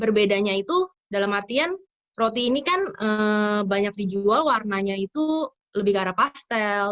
berbedanya itu dalam artian roti ini kan banyak dijual warnanya itu lebih ke arah pastel